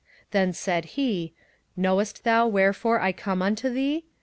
27:010:020 Then said he, Knowest thou wherefore I come unto thee?